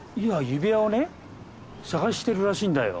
指輪をね捜してるらしいんだよ。